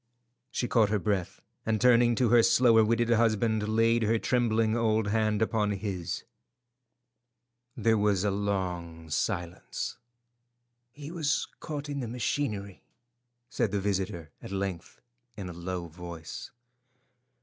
She caught her breath, and turning to her slower witted husband, laid her trembling old hand upon his. There was a long silence. "He was caught in the machinery," said the visitor at length in a low voice.